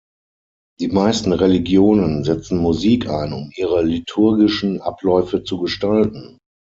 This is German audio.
Die meisten Religionen setzen Musik ein, um ihre liturgischen Abläufe zu gestalten.